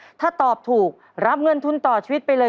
ด้วยการตอบคำถามเพียง๔ข้อกับตัวเลือกที่เหลือเพียง๒ตัวเลือก